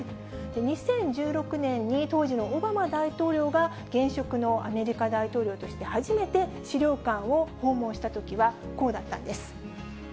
２０１６年に当時のオバマ大統領が、現職のアメリカ大統領として初めて資料館を訪問したときは、こうだったんです。